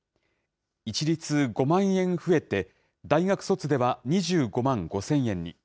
一律５万円増えて、大学卒では２５万５０００円に。